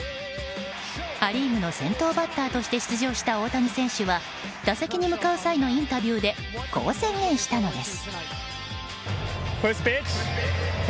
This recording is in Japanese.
ア・リーグの先頭バッターとして出場した大谷選手は打席に向かう際のインタビューでこう宣言したのです。